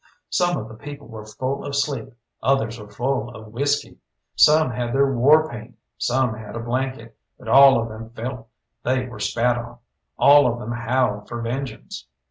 Some of the people were full of sleep, others were full of whisky; some had their war paint, some had a blanket; but all of them felt they were spat on, all of them howled for vengeance.